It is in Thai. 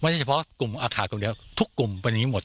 มันไม่ใช่เฉพาะอาคารตรงเองทุกกลุ่มเป็นอย่างนี้หมด